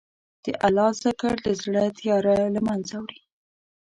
د الله ذکر د زړه تیاره له منځه وړي.